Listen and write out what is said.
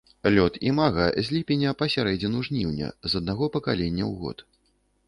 Лёт імага з ліпеня па сярэдзіну жніўня з аднаго пакалення ў год.